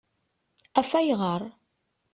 Af ayɣeṛ?